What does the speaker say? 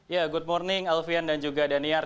ya good morning alfian dan juga daniar